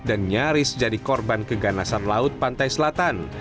dan nyaris jadi korban keganasan laut pantai selatan